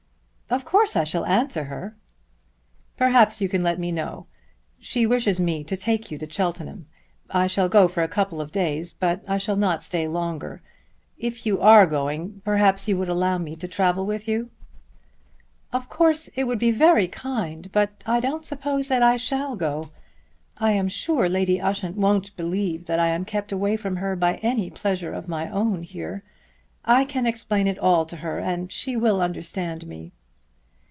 "Of course I shall answer her." "Perhaps you can let me know. She wishes me to take you to Cheltenham. I shall go for a couple of days, but I shall not stay longer. If you are going perhaps you would allow me to travel with you." "Of course it would be very kind; but I don't suppose that I shall go. I am sure Lady Ushant won't believe that I am kept away from her by any pleasure of my own here. I can explain it all to her and she will understand me."